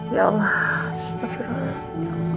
ya allah astagfirullah